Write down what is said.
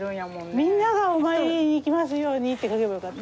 「みんながお参りに来ますように」って書けばよかった。